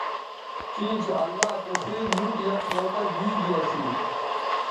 چیں چہء اللہ تسئ نوٹ یک موقعہ دی گی اسی